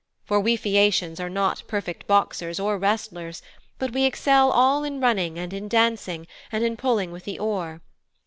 For we Phæacians are not perfect boxers or wrestlers, but we excel all in running and in dancing and in pulling with the oar.